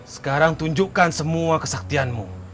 sekarang tunjukkan semua kesaktianmu